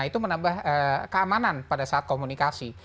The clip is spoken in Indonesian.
itu menambah keamanan pada saat komunikasi